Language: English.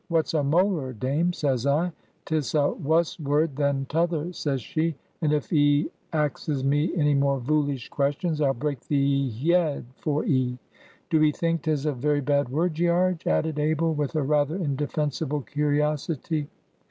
'What's a molar, Dame?' says I. ''Tis a wus word than t'other,' says she; 'and, if 'ee axes me any more voolish questions, I'll break thee yead for 'ee.' Do 'ee think 'tis a very bad word, Gearge?" added Abel, with a rather indefensible curiosity.